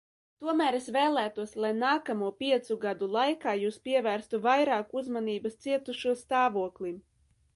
Tomēr es vēlētos, lai nākamo piecu gadu laikā jūs pievērstu vairāk uzmanības cietušo stāvoklim.